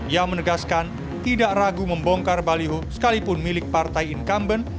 ia menegaskan tidak ragu membongkar baliho sekalipun milik partai incumbent